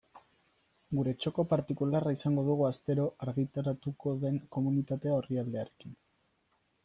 Gure txoko partikularra izango dugu astero argitaratuko den Komunitatea orrialdearekin.